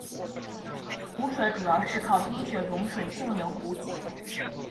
湖水主要靠冰雪融水径流补给。